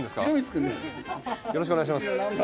お願いします。